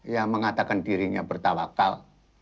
yang mengatakan dirinya bertawakal